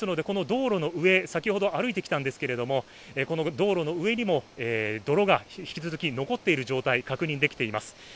ですので、先ほど歩いてきたんですが、この道路の上にも泥が引き続き残っている状態確認できています。